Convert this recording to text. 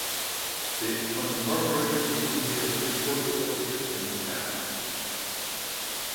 The unincorporated community of Richford is located in the town.